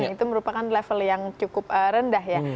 itu merupakan level yang cukup rendah ya